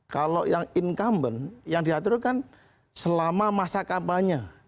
kalau yang incumbent yang diaturkan selama masa kampanye